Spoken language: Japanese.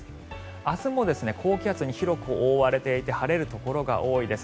明日も高気圧に広く覆われていて晴れるところが多いです。